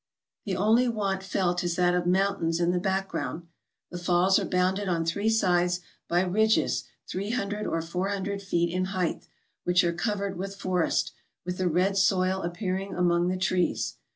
The only want felt is that of mountains in the back ground. The falls are bounded on three sides by ridges three hundred or four hundred feet in height, which are covered with forest, with the red soil appearing among the trees.